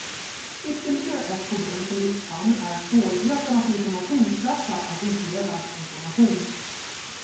Ytterligare ett problem som lyfts fram är svårigheten att informationsklassa aggregerad information.